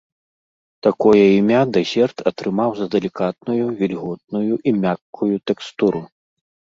Такое імя дэсерт атрымаў за далікатную, вільготную і мяккую тэкстуру.